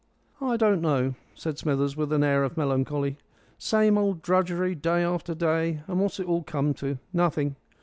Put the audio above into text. "I don't know," said Smithers, with an air of melancholy, "same old drudgery day after day, and what's it all to come to? Nothing.